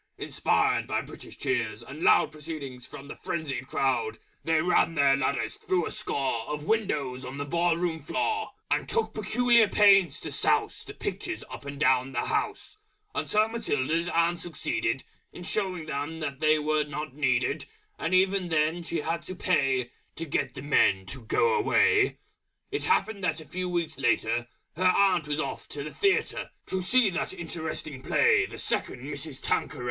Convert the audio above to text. Inspired by British Cheers and Loud Proceeding from the Frenzied Crowd, They ran their ladders through a score Of windows on the Ball Room Floor; And took Peculiar Pains to Souse The Pictures up and down the House, Until Matilda's Aunt succeeded In showing them they were not needed And even then she had to pay To get the Men to go away! It happened that a few Weeks later Her Aunt was off to the Theatre To see that Interesting Play _The Second Mrs. Tanqueray.